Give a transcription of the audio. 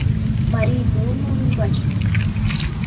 Мариет улмо ӱмбач?